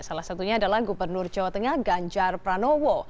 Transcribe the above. salah satunya adalah gubernur jawa tengah ganjar pranowo